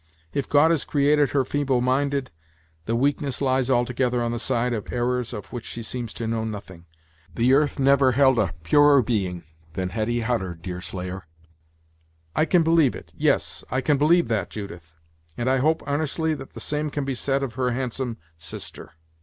If God has created her feeble minded, the weakness lies altogether on the side of errors of which she seems to know nothing. The earth never held a purer being than Hetty Hutter, Deerslayer." "I can believe it yes, I can believe that, Judith, and I hope 'arnestly that the same can be said of her handsome sister."